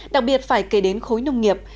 đặc biệt phải kể đến khối nông nghiệp